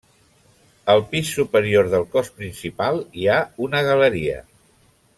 Al pis superior del cos principal hi ha una galeria.